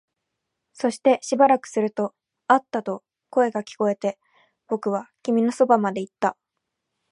そしてしばらくすると、あったと声が聞こえて、僕は君のそばまで行った